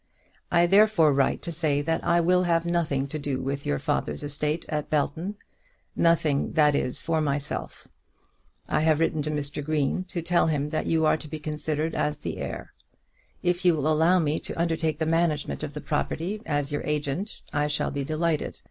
I therefore write to say that I will have nothing to do with your father's estate at Belton; nothing, that is, for myself. I have written to Mr. Green to tell him that you are to be considered as the heir. If you will allow me to undertake the management of the property as your agent, I shall be delighted.